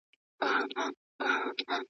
کمپيوټر شنه ټکنالوژي پياوړې کوي.